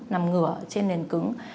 nằm ngửa trên nền cứng